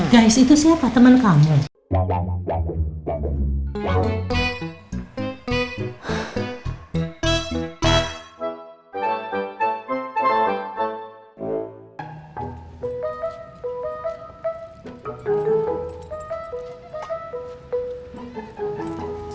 guys itu siapa temen kamu